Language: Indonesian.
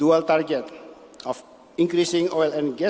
untuk meningkatkan produksi minyak dan gas